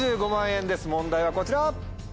問題はこちら。